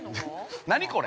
何これ。